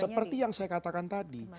seperti yang saya katakan tadi